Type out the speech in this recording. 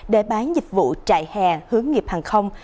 để bán dịch vụ trại hè hướng nghiệp hàng không